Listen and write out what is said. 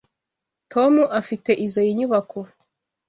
Tom afite izoi nyubako.